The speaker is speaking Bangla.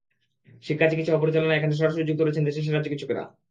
শিক্ষা, চিকিৎসা ও পরিচালনায় এখানে সরাসরি যুক্ত রয়েছেন দেশের সেরা চিকিৎসকরা।